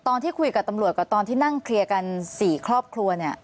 ตอนที่คุยกับตำรวจกับตอนที่นั่งเคลียร์กัน๔ครอบครัวเนี่ย